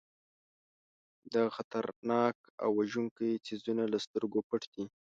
دغه خطرناک او وژونکي څیزونه له سترګو پټ دي.